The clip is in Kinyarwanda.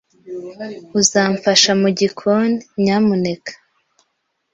Uzamfasha mugikoni, nyamuneka?